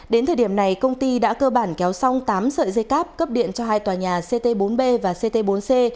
đến thời điểm này công ty đã cơ bản kéo xong tám sợi dây cáp cấp điện cho hai tòa nhà ct bốn b và ct bốn c